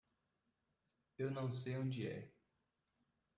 Eu não sei onde é.